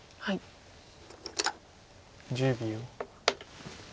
１０秒。